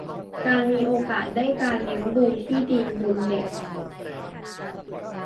- การมีโอกาสได้การเลี้ยงดูที่ดี มุมเด็ก